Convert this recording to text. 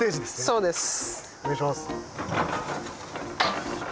そうです。